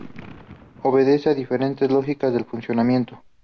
Obedece a diferentes lógicas de funcionamiento.